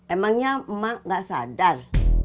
emangnya ma gak sadar